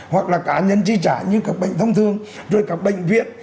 hoặc là cá nhân trí trả như các bệnh thông thương rồi các bệnh viện